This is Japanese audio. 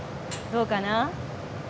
どうかな？